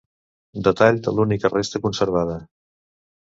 Detall de l'única resta conservada.